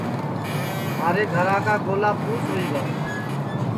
مھارے گھرا کا گولا پُھس ہوئی گا